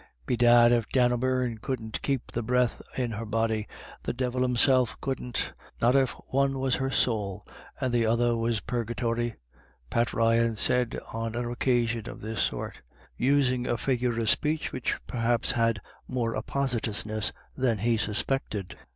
"Bedad, if Dan O'Beirne couldn't keep the breath in her body, the Divil himself couldn't, not if the one was her sowl, and the other was pur gatory," Pat Ryan said on an occasion of this sort, using a figure of speech which perhaps had more appositeness than he suspected.